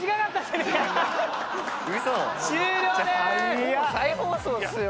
ほぼ再放送っすよ。